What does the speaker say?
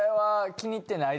気に入ってない。